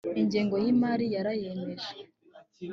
ingengo y imari ya rra yemejwe